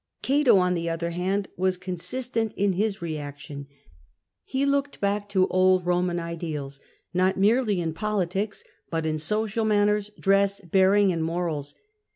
Cato, on the other hand, was consistent in his reaction ; he looked back to old Roman ideals, not merely in politics, but in social manners, dress, bearing, and morals.